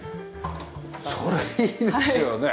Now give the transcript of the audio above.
それいいですよね。